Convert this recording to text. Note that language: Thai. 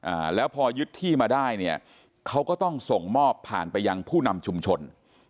อ่าแล้วพอยึดที่มาได้เนี่ยเขาก็ต้องส่งมอบผ่านไปยังผู้นำชุมชน